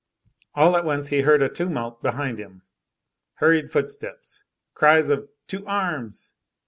All at once, he heard a tumult behind him, hurried footsteps, cries of "To arms!"